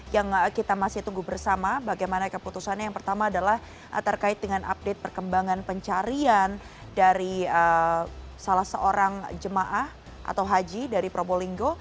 yang kita masih tunggu bersama bagaimana keputusannya yang pertama adalah terkait dengan update perkembangan pencarian dari salah seorang jemaah atau haji dari probolinggo